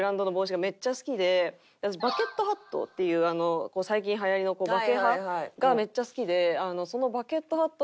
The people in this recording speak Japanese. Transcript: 私バケットハットっていう最近流行りのバケハがめっちゃ好きで。